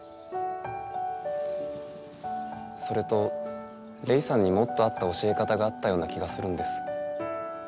それとレイさんにもっと合った教え方があったような気がするんです。